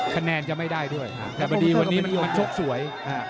แต่วันนี้มันชกสวย